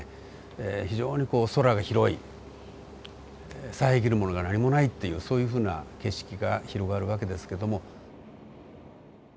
非常にこう空が広い遮るものが何もないっていうそういうふうな景色が広がる訳ですけども。